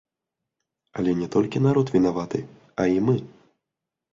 Але не толькі народ вінаваты, а і мы.